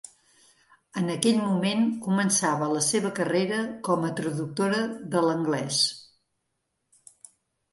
En aquell moment, començava la seva carrera com a traductora de l'anglès.